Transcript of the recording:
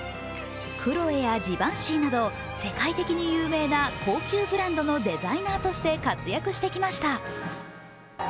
クロエやジバンシィなど世界的に有名な高級ブランドのデザイナーとして活躍してきました。